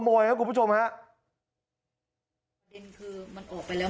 ออกไปแล้วไม่รู้มันคือจะเข้าซ้อยหรือเปล่าย